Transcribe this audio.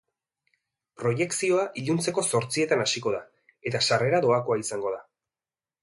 Proiekzioa iluntzeko zortzietan hasiko da eta sarrera doakoa izango da.